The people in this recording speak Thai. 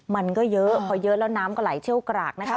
มันก็เยอะพอเยอะแล้วน้ำก็ไหลเชี่ยวกรากนะคะ